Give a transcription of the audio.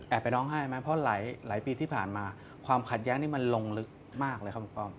ไปร้องไห้ไหมเพราะหลายปีที่ผ่านมาความขัดแย้งนี่มันลงลึกมากเลยครับคุณป้อม